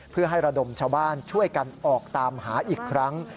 เพื่อให้ระดมชาวบ้านช่วยกันออกตามหาอีกครั้ง